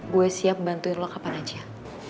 gue siap bantuin lo kapan aja